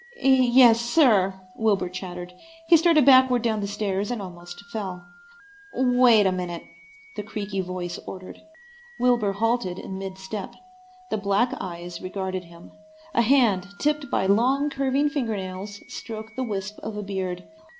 "Yes, sir," Wilbur chattered. He started backward down the stairs and almost fell. "Wait a minute," the creaky voice ordered. Wilbur halted in mid step. The black eyes regarded him. A hand tipped by long, curving fingernails stroked the wisp of a beard.